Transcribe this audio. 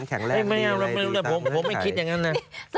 กังวลมากนะ